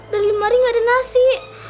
dan di lemari gak ada nasi